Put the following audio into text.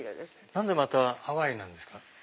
何でまたハワイなんですか？